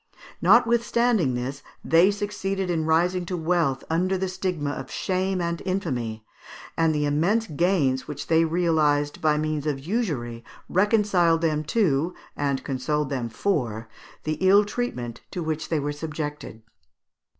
Notwithstanding this, they succeeded in rising to wealth under the stigma of shame and infamy, and the immense gains which they realised by means of usury reconciled them to, and consoled them for, the ill treatment to which they were subjected.